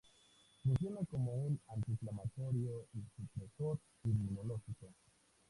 Funciona como un antiinflamatorio y supresor inmunológico.